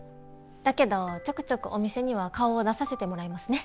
だけどちょくちょくお店には顔を出させてもらいますね。